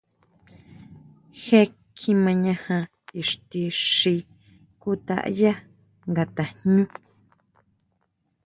Je kjimañaja ixti xi kutʼayá nga tajñú.